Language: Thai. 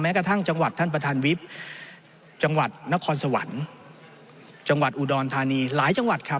ไม่กระทั่งจังหวัดท่านประธานวิชย์